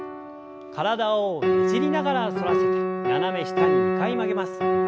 体をねじりながら反らせて斜め下に２回曲げます。